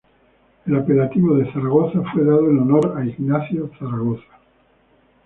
El apelativo "de Zaragoza" fue dado en honor a Ignacio Zaragoza.